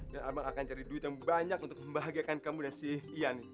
dan abang akan cari duit yang banyak untuk membahagiakan kamu dan si iyan